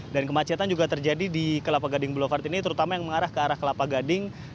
dan kemacetan juga terjadi di kelapa gading boulevard ini terutama yang mengarah ke arah kelapa gading